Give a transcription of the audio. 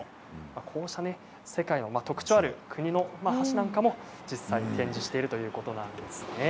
こうした世界の特徴ある国の箸なんかも実際に展示しているということなんですね。